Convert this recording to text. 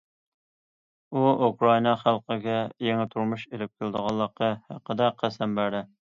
ئۇ ئۇكرائىنا خەلقىگە يېڭى تۇرمۇش ئېلىپ كېلىدىغانلىقى ھەققىدە قەسەم بەردى.